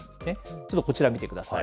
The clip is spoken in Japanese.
ちょっとこちら見てください。